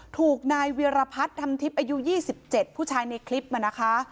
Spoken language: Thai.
ถูกนายเวียรพัฒน์ทำทิพย์อายุ๒๗ผู้ชายในคลิปมานะคะ